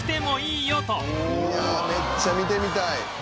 いやあめっちゃ見てみたい！